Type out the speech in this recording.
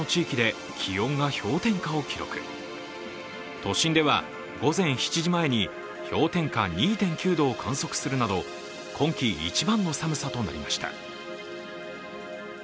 都心では午前７時前に氷点下２．９度を観測するなど今季一番の寒さとなりました。